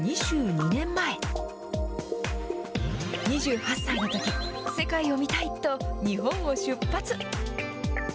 ２８歳のとき、世界を見たいと、日本を出発。